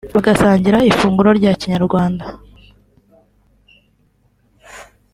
bagasangira ifunguro rya kinyarwanda